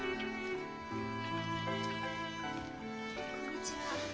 こんにちは。